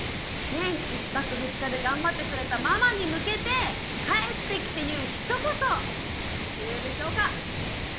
１泊２日で頑張ってくれたママに向けて帰ってきて言うひと言何て言うでしょうか？